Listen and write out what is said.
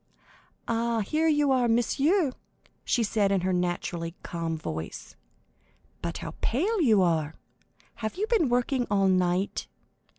"Ah, here you are, monsieur," she said in her naturally calm voice; "but how pale you are! Have you been working all night?